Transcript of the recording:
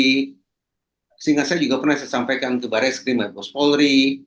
sehingga saya juga pernah saya sampaikan ke barat siklimat pobes polri